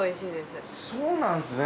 そうなんですね。